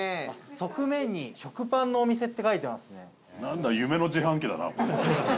側面に「食パンのお店」って書いてますね。